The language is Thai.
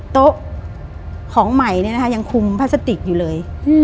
โต๊ะของใหม่ยังคุมพลาสติกอยู่เลย